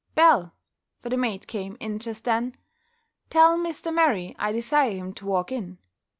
Bell" (for the maid came in just then), "tell Mr. Murray I desire him to walk in."